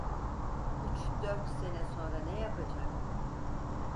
Üç dört sene sonra ne yapacaktı?